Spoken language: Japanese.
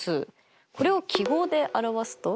これを記号で表すと？